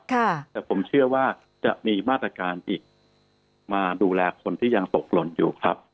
แต่ผมเชื่อว่าจะมีมาตรการอีกมาดูแลคนที่ยังตกหล่นอยู่ครับ